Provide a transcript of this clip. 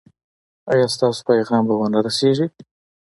ایا ستاسو پیغام به و نه رسیږي؟